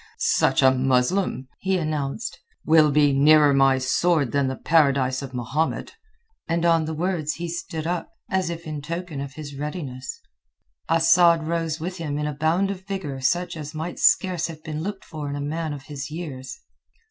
"Such a Muslim," he announced, "will be nearer my sword than the Paradise of Mahomet." And on the words he stood up, as if in token of his readiness. Asad rose with him in a bound of a vigour such as might scarce have been looked for in a man of his years.